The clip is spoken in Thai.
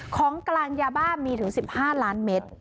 ของกลางยาบ้ามีถึง๑๕ล้านเมตร